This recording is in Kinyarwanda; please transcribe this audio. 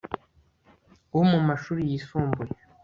wo mu mashuri yisumbuye